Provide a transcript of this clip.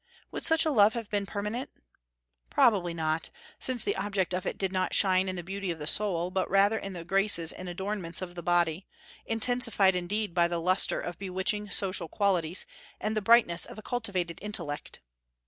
Would such a love have been permanent? Probably not, since the object of it did not shine in the beauty of the soul, but rather in the graces and adornments of the body, intensified indeed by the lustre of bewitching social qualities and the brightness of a cultivated intellect.